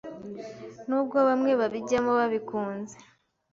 Nubwo bamwe babijyamo babikunze